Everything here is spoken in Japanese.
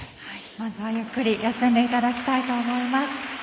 まずはゆっくり休んでいただきたいと思います。